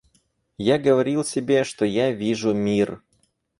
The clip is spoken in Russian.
Я говорил себе, что я вижу мир.